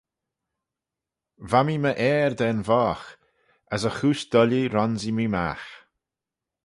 Va mee my ayr da'n voght: as y chooish doillee ronsee mee magh.